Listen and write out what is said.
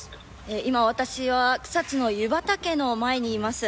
今、私は草津の湯畑の前にいます。